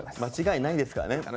間違いないですからね。